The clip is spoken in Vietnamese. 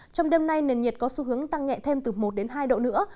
trong đêm nay nền nhiệt có xu hướng tăng nhẹ thêm từ một đến hai độ nữa